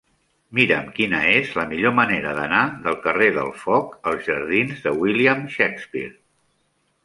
Mira'm quina és la millor manera d'anar del carrer del Foc als jardins de William Shakespeare.